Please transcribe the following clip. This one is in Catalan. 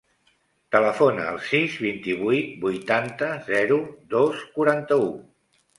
Telefona al sis, vint-i-vuit, vuitanta, zero, dos, quaranta-u.